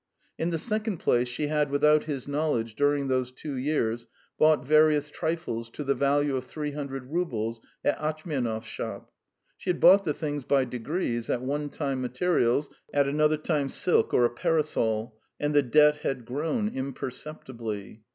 In the second place, she had without his knowledge during those two years bought various trifles to the value of three hundred roubles at Atchmianov's shop. She had bought the things by degrees, at one time materials, at another time silk or a parasol, and the debt had grown imperceptibly.